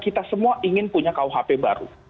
kita semua ingin punya kuhp baru